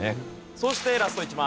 そしてラスト１枚。